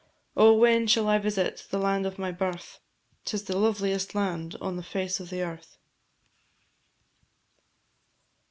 Oh, when shall I visit the land of my birth? 'Tis the loveliest land on the face of the earth.